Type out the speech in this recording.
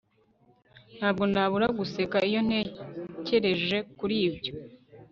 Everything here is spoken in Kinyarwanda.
Ntabwo nabura guseka iyo ntekereje kuri ibyo